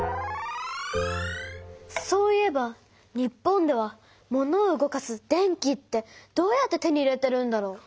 そういえば日本ではモノを動かす電気ってどうやって手に入れてるんだろう？